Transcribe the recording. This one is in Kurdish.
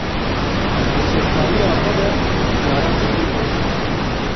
Di sed saliya xwe de cara sêyem zewicî.